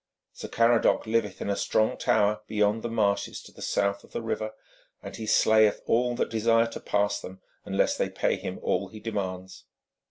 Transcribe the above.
Sir Caradoc liveth in a strong tower beyond the marshes to the south of the river, and he slayeth all that desire to pass them, unless they pay him all he demands.'